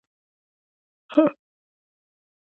هسپانیا د رکود او اقتصادي ځوړتیا په حال کې وه.